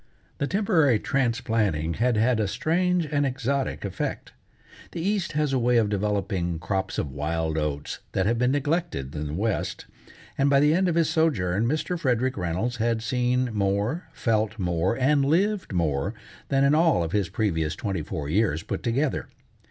The temporary transplanting had had a strange and exotic effect. The East has a way of developing crops of wild oats that have been neglected in the West, and by the end of his sojourn Mr. Frederick Reynolds had seen more, felt more, and lived more than in all of his previous twenty four years put together.